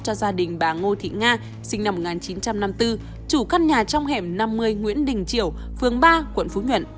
cho gia đình bà ngô thị nga sinh năm một nghìn chín trăm năm mươi bốn chủ căn nhà trong hẻm năm mươi nguyễn đình triều phường ba quận phú nhuận